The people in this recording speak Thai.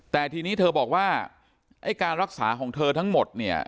แต่ทีนี้เธอบอกว่าไอ้การรักษาของเธอทั้งหมดเนี่ย